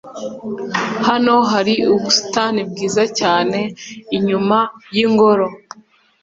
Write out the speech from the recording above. Hano hari ubusitani bwiza cyane inyuma yingoro.